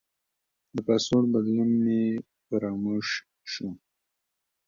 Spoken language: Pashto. د پاسورډ بدلون مې فراموش شو.